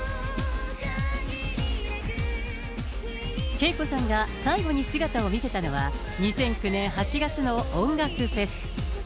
ＫＥＩＫＯさんが最後に姿を見せたのは、２００９年８月の音楽フェス。